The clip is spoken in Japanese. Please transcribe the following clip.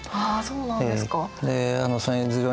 あそうなんですか。